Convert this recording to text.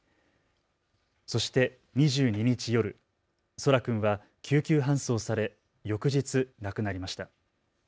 そして２２日夜、空来君は救急搬送され翌日亡くなりました。